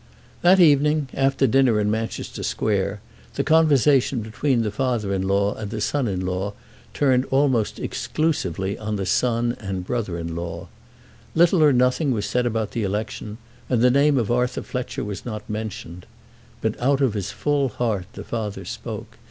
That evening, after dinner in Manchester Square, the conversation between the father in law and the son in law turned almost exclusively on the son and brother in law. Little or nothing was said about the election, and the name of Arthur Fletcher was not mentioned. But out of his full heart the father spoke.